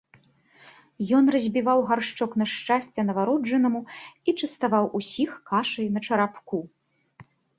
Ён разбіваў гаршчок на шчасце нованароджанаму і частаваў усіх кашай на чарапку.